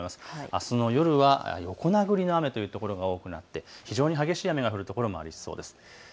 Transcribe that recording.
あすの夜は横殴りの雨という所が多くなって非常に激しい雨が降る所もありそうです。